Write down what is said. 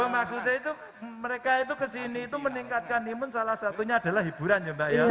maksudnya itu mereka itu kesini itu meningkatkan imun salah satunya adalah hiburan ya mbak ya